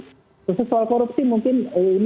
khusus soal korupsi mungkin ini juga di sisi pembinaan